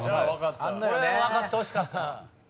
これは分かってほしかった。